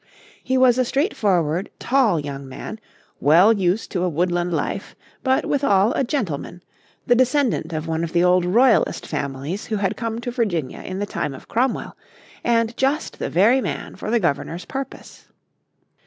He was a straightforward, tall young man, well used to a woodland life, but withal a gentleman, the descendant of one of the old Royalist families who had come to Virginia in the time of Cromwell, and just the very man for the Governor's purpose.